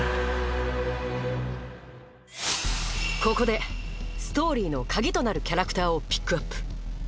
ここでストーリーの鍵となるキャラクターをピックアップ！